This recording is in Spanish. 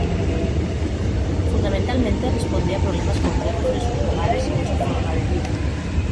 Fundamentalmente respondía a problemas concretos de sus lugares y de su forma de vida.